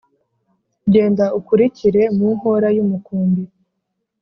. Genda ukurikire mu nkōra y’umukumbi,